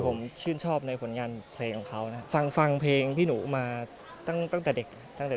ครับผมคือผมชื่นชอบในผลงานเพลงของเขานะครับฟังเพลงพี่หนูมาตั้งแต่เด็ก